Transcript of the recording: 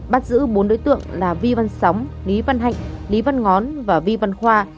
bắt giữ bốn đối tượng là vi văn sóng lý văn hạnh lý văn ngón và vi văn khoa